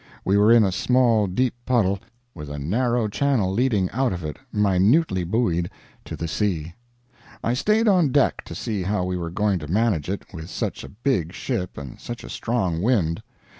We were in a small deep puddle, with a narrow channel leading out of it, minutely buoyed, to the sea. I stayed on deck to see how we were going to manage it with such a big ship and such a strong wind.